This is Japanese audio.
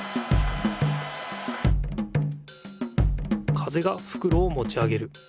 風がふくろをもち上げる。